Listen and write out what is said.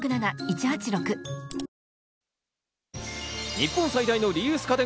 日本最大のリユース家電